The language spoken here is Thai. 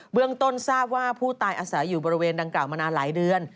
เรื่องต้นทราบว่าผู้ตายอาศัยอยู่บริเวณดังกล่าวมานานหลายเดือน